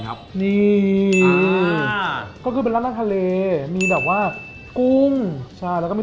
ครับนี่อ่าก็คือเป็นร้านทะเลมีแบบว่ากุ้งใช่แล้วก็มี